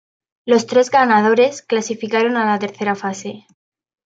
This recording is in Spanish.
Los tres ganadores clasificaron a la tercera fase.